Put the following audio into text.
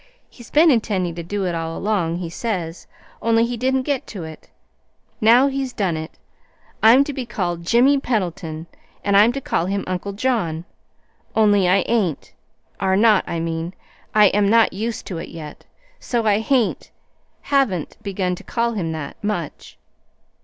He's been intending to do it, all along, he says, only he didn't get to it. Now he's done it. I'm to be called 'Jimmy Pendleton' and I'm to call him Uncle John, only I ain't are not I mean, I AM not used to it yet, so I hain't haven't begun to call him that, much."